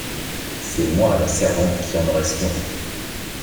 C’est moi la servante, qui en aurai soin.